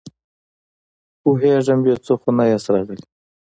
پوهېږم، بې څه خو نه ياست راغلي!